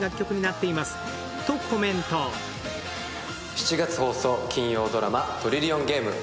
７月放送金曜ドラマ「トリリオンゲーム」